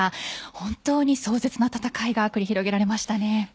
本当に壮絶な戦いが繰り広げられましたね。